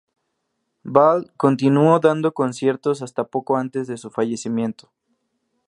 Ball continuó dando conciertos hasta poco antes de su fallecimiento.